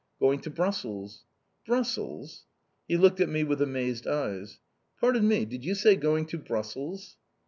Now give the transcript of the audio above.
"Going to Brussels!" "Brussels!" He looked at me with amazed eyes. "Pardon me! Did you say going to Brussels?"